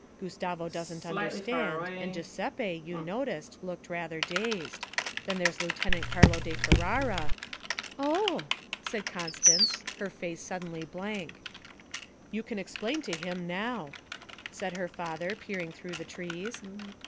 Gustavo doesn't understand, and Giuseppe, you noticed, looked rather dazed. Then there's Lieutenant Carlo di Ferara ' 'Oh!' said Constance, her face suddenly blank. 'You can explain to him now,' said her father, peering through the trees.